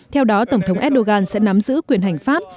theo đó tổng thống erdogan sẽ nắm giữ quyền hành pháp